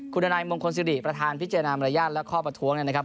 คุณอนัยมงคลสิริประธานพิจารณามารยาทและข้อประท้วงเนี่ยนะครับ